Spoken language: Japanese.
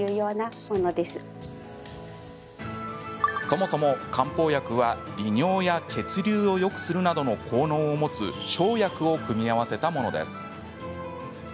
そもそも漢方薬は利尿や血流をよくするなどの効能を持つ生薬を組み合わせたものです。